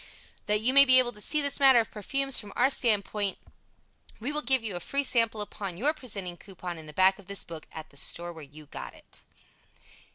That you may be able to see this matter of "perfumes" from our standpoint, we will give you a free sample upon your presenting coupon in the back of this book, at the store where you got it.